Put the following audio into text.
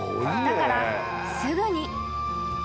［だからすぐに］